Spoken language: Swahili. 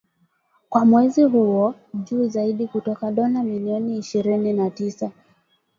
kwa mwezi huo juu zaidi kutoka dola milioni ishirini na tisa